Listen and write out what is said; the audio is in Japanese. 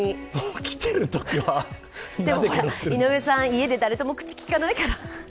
起きてるときは井上さん、家で誰とも口、きかないから。